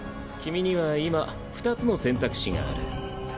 君には今２つの選択肢がある。